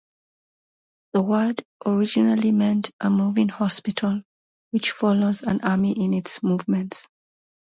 The word originally meant a moving hospital, which follows an army in its movements.